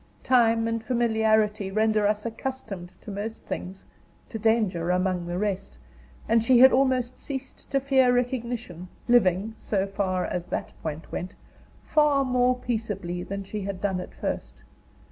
Time and familiarity render us accustomed to most things to danger among the rest; and she had almost ceased to fear recognition, living so far as that point went far more peaceably than she had done at first.